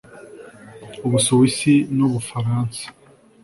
u Busuwisi n’u Bufaransa